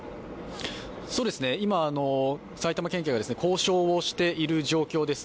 今、埼玉県警が交渉をしている状況です。